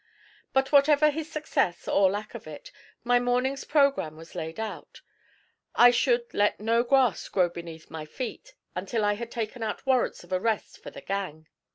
But whatever his success or lack of it, my morning's programme was laid out. I should 'let no grass grow beneath my feet' until I had taken out warrants of arrest for the 'gang.'